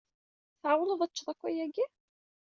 Tɛewwleḍ ad teččeḍ akk ayagi?